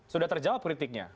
sudah terjawab kritiknya